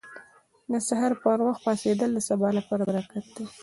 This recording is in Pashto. • د سهار پر وخت پاڅېدل د سبا لپاره برکت دی.